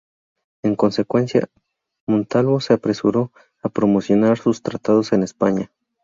En consecuencia, Montalvo se apresuró a promocionar sus tratados en España.